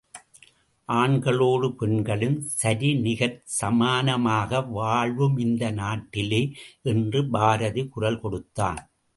ஆண்களோடு பெண்களும் சரிநிகர்ச் சமானமாக வாழ்வமிந்த நாட்டிலே என்று பாரதி குரல் கொடுத்தான்.